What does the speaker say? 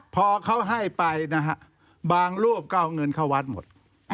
พอเขาให้ไปนะฮะบางรูปก็เอาเงินเข้าวัดหมด